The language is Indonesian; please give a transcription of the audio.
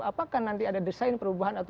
apakah nanti ada design perubahan atau tidak